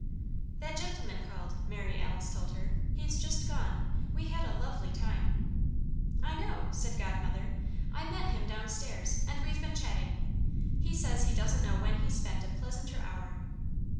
"That gentleman called," Mary Alice told her. "He's just gone. We had a lovely time." "I know," said Godmother, "I met him down stairs and we've been chatting. He says he doesn't know when he's spent a pleasanter hour."